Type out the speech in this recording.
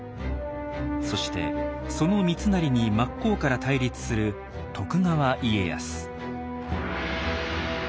そしてその三成に真っ向から対立する徳川家康。